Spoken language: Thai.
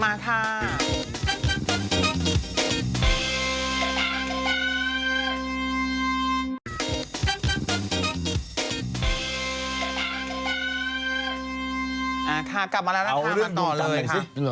อะค่ะกลับมาแล้วสิเอาเรื่องดูอันไหนซิ